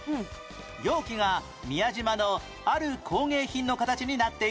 容器が宮島のある工芸品の形になっているんです